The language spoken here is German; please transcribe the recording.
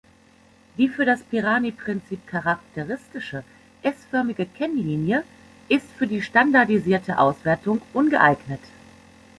Die für das Pirani-Prinzip charakteristische S-förmige Kennlinie ist für die standardisierte Auswertung ungeeignet.